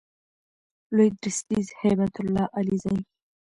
لوی درستیز هیبت الله علیزی